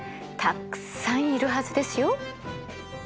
たくさんいるはずですよ。